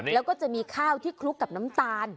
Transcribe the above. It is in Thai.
แล้วก็จะมีข้าวที่คลุกกับน้ำตาล